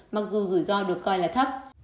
mặc dù rủi ro được coi là thấp